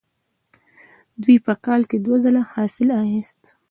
دوی په کال کې دوه ځله حاصل اخیست.